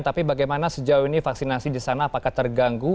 tapi bagaimana sejauh ini vaksinasi di sana apakah terganggu